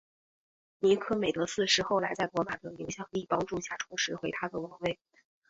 尼科美德四世后来在罗马的影响力帮助下重拾回他的王位。